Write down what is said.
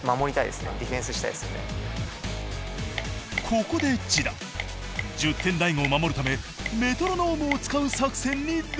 ここで千田１０点大悟を守るためメトロノームを使う作戦に出た。